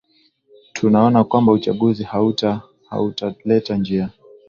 tunaona kwamba uchaguzi hauta hautaleta njia